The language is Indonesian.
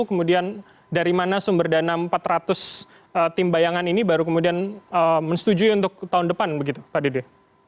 kemudian dari mana sumber dana empat ratus tim bayangan ini baru kemudian mensetujui untuk tahun depan begitu pak dede